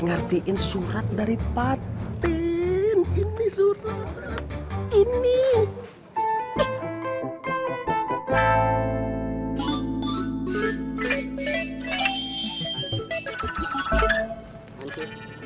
aduh badan gue mulet mulet nih